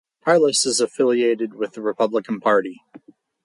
Harless is affiliated with the Republican Party.